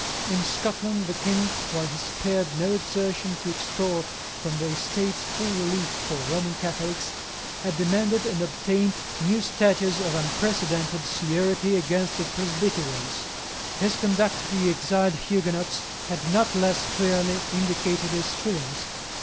In Scotland the King, while he spared no exertion to extort from the Estates full relief for Roman Catholics, had demanded and obtained new statutes of unprecedented severity against the Presbyterians. His conduct to the exiled Huguenots had not less clearly indicated his feelings.